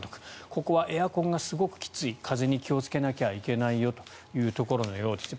ここはエアコンがすごくきつい風邪に気をつけなきゃいけないよということです。